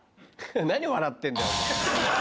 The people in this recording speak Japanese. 何笑ってんだよお前。